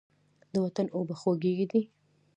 د وطن اوبه خوږې دي.